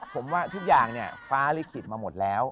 ผมว่าทุกอย่างเนี่ยฟ้าลิขิตมาหมดแล้ว